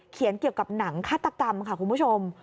เกี่ยวกับหนังฆาตกรรมค่ะคุณผู้ชม